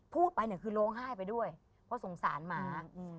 พูดไปเนี่ยคือร้องไห้ไปด้วยเพราะสงสารหมา